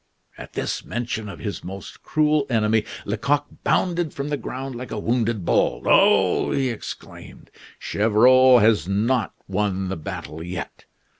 At this mention of his most cruel enemy, Lecoq bounded from the ground like a wounded bull. "Oh!" he exclaimed. "Gevrol has not won the battle yet.